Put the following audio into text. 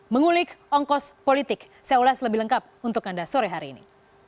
mengulik ongkos politik saya ulas lebih lengkap untuk anda sore hari ini